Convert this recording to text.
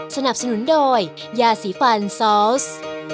สนับสนุนโดยยาสีฟันซอส